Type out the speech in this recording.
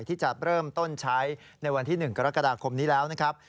ที่จะเริ่มต้นใช้ในวันที่๑กรกฎาคมนี้แล้วนะครับ